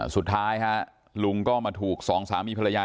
สุดท้ายฮะลุงก็มาถูกสองสามีภรรยา